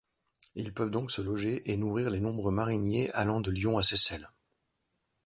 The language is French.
Ils peuvent donc loger et nourrir les nombreux mariniers allant de Lyon à Seyssel.